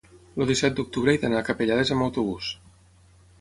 el disset d'octubre he d'anar a Capellades amb autobús.